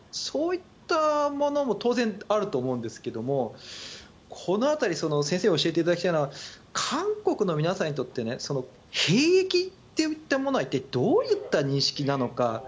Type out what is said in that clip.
そういったものも当然、あると思うんですけどもこの辺り先生に教えていただきたいのは韓国の皆さんにとって兵役というものは一体どういった認識なのか。